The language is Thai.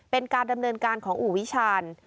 เป็นการดำเนินการของอู่วิชาญ